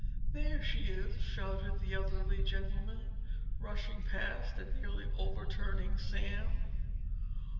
"There she is," shouted the elderly gentleman, rushing past and nearly overturning Sam.